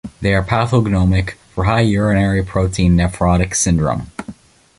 They are pathognomonic for high urinary protein nephrotic syndrome.